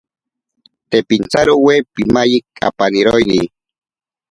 Te pintsarowe pimayi apaniroini.